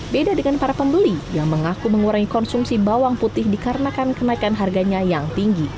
beda dengan para pembeli yang mengaku mengurangi konsumsi bawang putih dikarenakan kenaikan harganya yang tinggi